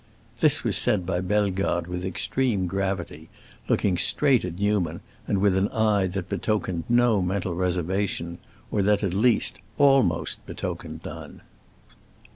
This was said by Bellegarde with extreme gravity, looking straight at Newman, and with an eye that betokened no mental reservation; or that, at least, almost betokened none.